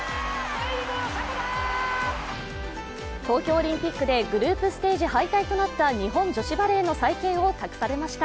東京オリンピックでグループステージ敗退となった日本女子バレーの再建を託されました。